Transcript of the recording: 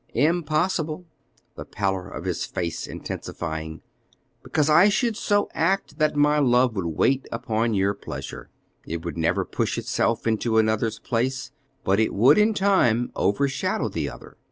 "Impossible," the pallor of his face intensifying; "because I should so act that my love would wait upon your pleasure: it would never push itself into another's place, but it would in time overshadow the other.